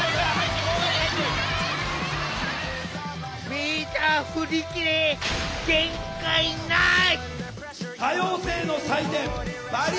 メーター振り切れ限界なし！